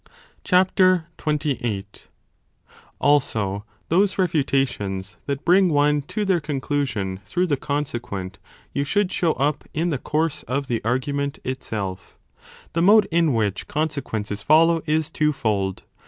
28 Also, those refutations that bring one to their conclusion through the consequent you should show up in the course of the argument itself. The mode in which consequences follow is two fold.